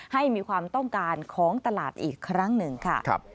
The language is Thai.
ให้มีความต้องการของตลาดอีกครั้งหนึ่งค่ะ